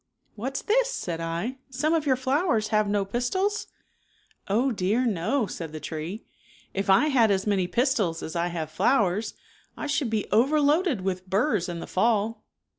" What's this," said 1, " some of your flowers have no pistils ?"" Oh, dear, no," said the tree, " if I had as many pistils as I have flowers I should be overloaded with burs in the fall."